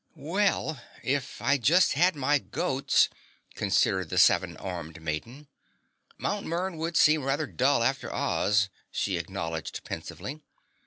"Well, if I just had my goats " considered the seven armed maiden. "Mt. Mern would seem rather dull after Oz," she acknowledged pensively.